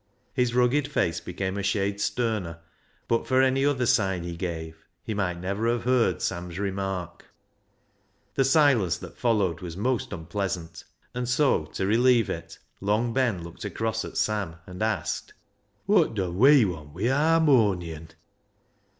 His rugged face became a shade sterner, but for any other sign he gave he might never have heard Sam's remark. The silence that followed was most unpleasant, and so, to relieve it. Long Ben looked across at Sam, and asked — THE HARMONIUM 333 " Wot dun zvc want \vi' a harmonion